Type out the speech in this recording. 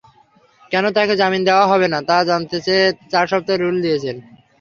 কেন তাঁকে জামিন দেওয়া হবে না—তা জানতে চেয়ে চার সপ্তাহের রুল দিয়েছেন।